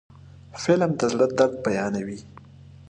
فلم د زړه درد بیانوي